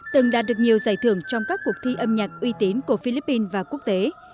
từng đạt được nhiều giải thưởng trong các cuộc thi âm nhạc uy tín của philippines và quốc tế